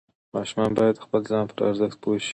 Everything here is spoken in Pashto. ماشوم باید د خپل ځان پر ارزښت پوه شي.